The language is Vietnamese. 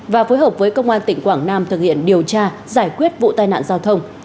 và phối hợp với công an tỉnh quảng nam thực hiện điều tra giải quyết vụ tai nạn giao thông